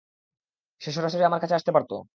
সে সরাসরি আমার কাছে আসতে পারত।